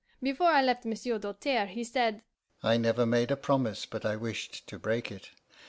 Before I left Monsieur Doltaire, he said, 'I never made a promise but I wished to break it.